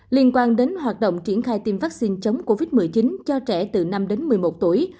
liên quan đến hoạt động triển khai tiêm vaccine chống covid một mươi chín cho trẻ từ năm đến một mươi một tuổi